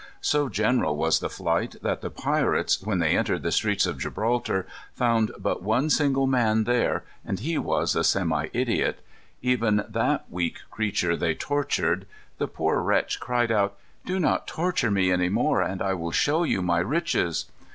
So general was the flight that the pirates, when they entered the streets of Gibraltar, found but one single man there, and he was a semi idiot. Even that weak creature they tortured. The poor wretch cried out: "Do not torture me any more, and I will show you my riches."